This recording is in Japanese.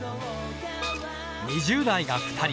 ２０代が２人。